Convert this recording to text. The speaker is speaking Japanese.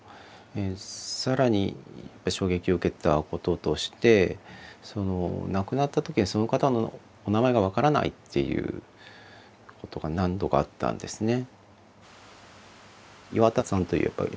更に衝撃を受けたこととして亡くなった時にその方のお名前が分からないっていうことが何度かあったんですね。